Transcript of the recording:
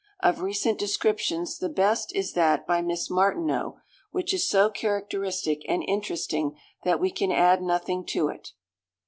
Of recent descriptions the best is that by Miss Martineau, which is so characteristic and interesting, that we can add nothing to it.